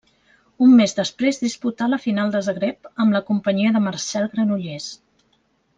Un mes després disputà la final de Zagreb amb la companyia de Marcel Granollers.